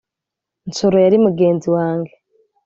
nsoro yari mugenzi wanjye.